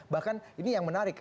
bahkan ini yang menarik